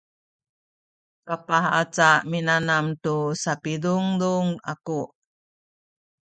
kapah aca minanam tu sapidundun aku